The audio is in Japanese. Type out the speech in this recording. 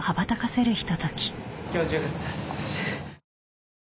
気持ち良かったです。